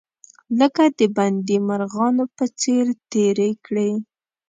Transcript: لکه د بندي مرغانو په څیر تیرې کړې.